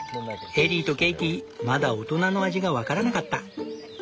エリーとケイティまだ大人の味が分からなかった。